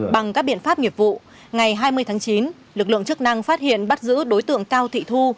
bằng các biện pháp nghiệp vụ ngày hai mươi tháng chín lực lượng chức năng phát hiện bắt giữ đối tượng cao thị thu